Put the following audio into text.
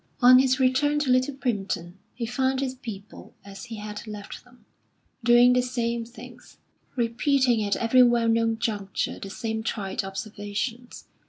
On his return to Little Primpton, he found his people as he had left them, doing the same things, repeating at every well known juncture the same trite observations.